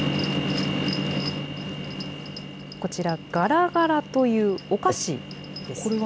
こちら、がらがらというお菓子です。